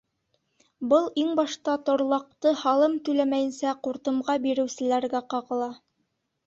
Был иң башта торлаҡты һалым түләмәйенсә ҡуртымға биреүселәргә ҡағыла.